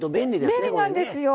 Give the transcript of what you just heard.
便利なんですよ。